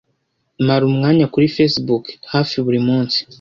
Mara umwanya kuri Facebook hafi buri munsi